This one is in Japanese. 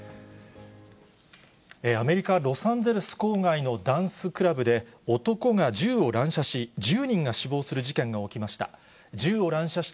アメリカ・ロサンゼルス郊外のダンスクラブで、男が銃を乱射し、１０人が死亡する事件が起きました。